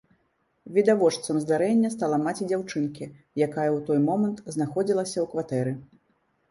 Відавочцам здарэння стала маці дзяўчынкі, якая ў той момант знаходзілася ў кватэры.